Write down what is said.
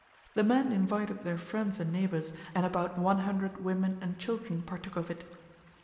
The men invited their friends and neighbours, and about one hundred women and children partook of it.